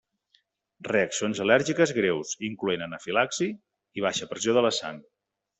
Reaccions al·lèrgiques greus incloent anafilaxi i baixa pressió de la sang.